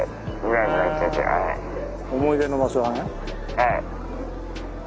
はい。